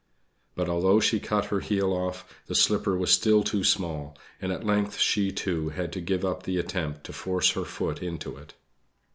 But although she cut her heel off, the slipper was still too small; and at length she, too, had to give up the attempt to force her foot into it.